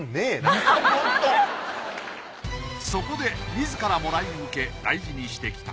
そこで自らもらい受け大事にしてきた。